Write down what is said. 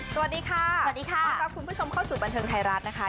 สวัสดีค่ะสวัสดีค่ะต้อนรับคุณผู้ชมเข้าสู่บันเทิงไทยรัฐนะคะ